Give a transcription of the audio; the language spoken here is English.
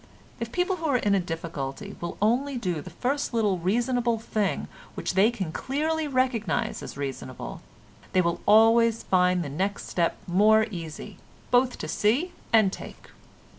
If people who are in a difficulty will only do the first little reasonable thing which they can clearly recognise as reasonable, they will always find the next step more easy both to see and take.